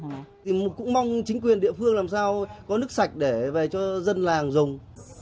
mình cũng mong chính quyền địa phương làm sao có nước sạch để cho dân làng dùng